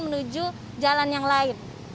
menuju jalan yang lain